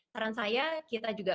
saran saya kita juga